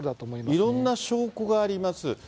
いろんな証拠があります。